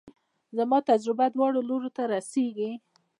زما تجربه دواړو لورو ته رسېږي.